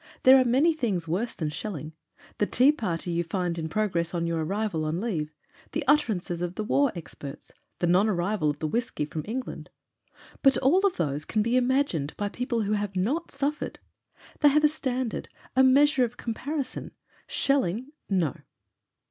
There are many things worse than shelling — ^the tea party you find in progress on your arrival on leave; the utterances of war experts; the non arrival of the whisky from England. But all of those can be imagined by people who have not suf xii PROLOGUE f ered ; they have a standard, a measure of comparison. Shelling — no.